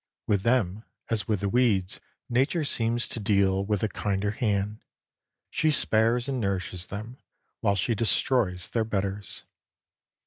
With them as with the weeds nature seems to deal with a kinder hand. She spares and nourishes them, while she destroys their betters.